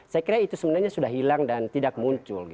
saya kira itu sebenarnya sudah hilang dan tidak muncul